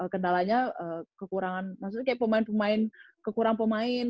kendalanya kekurangan maksudnya kayak pemain pemain kekurangan pemain